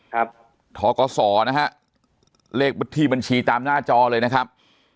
ทกศนะฮะเลขที่บัญชีตามหน้าจอเลยนะครับ